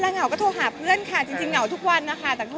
เหงาก็โทรหาเพื่อนค่ะจริงเหงาทุกวันนะคะ